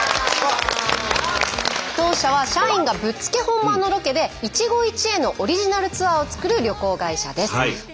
当社は社員がぶっつけ本番のロケで一期一会のオリジナルツアーを作る旅行会社です。